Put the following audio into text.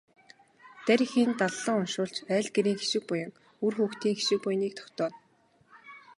Дарь эхийн даллага уншуулж айл гэрийн хишиг буян, үр хүүхдийн хишиг буяныг тогтооно.